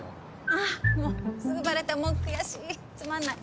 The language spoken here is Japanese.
あっもうすぐバレたもう悔しいつまんない。